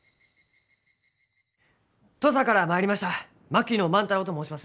土佐から参りました槙野万太郎と申します。